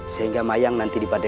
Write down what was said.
sehingga mayang nanti dibawa ke rumah